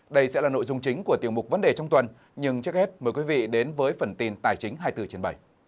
đây sẽ là nội dung chính của tiêu mục vấn đề trong tuần nhưng trước hết mời quý vị đến với phần tin tài chính hai mươi bốn trên bảy